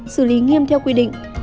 xử lý nghiêm theo quy định